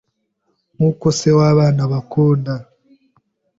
nkuko se w’abana abakunda